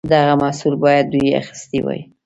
دغه محصول باید دوی اخیستی وای.